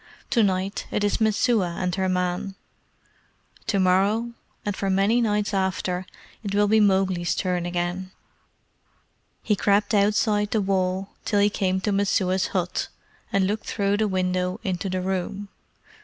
To night it is Messua and her man. To morrow, and for very many nights after, it will be Mowgli's turn again." He crept along outside the wall till he came to Messua's hut, and looked through the window into the room.